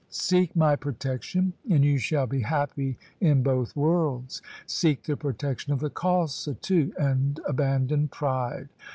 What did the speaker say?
Seek my protection, and you shall be happy in both worlds. Seek the protection of the Khalsa too, and abandon pride.